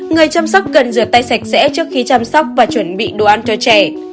người chăm sóc cần rửa tay sạch sẽ trước khi chăm sóc và chuẩn bị đồ ăn cho trẻ